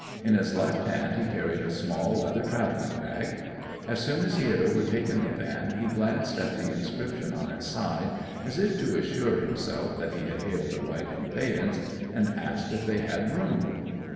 In his left hand he carried a small leather travelling bag. As soon as he had overtaken the van he glanced at the inscription on its side, as if to assure himself that he had hailed the right conveyance, and asked if they had room.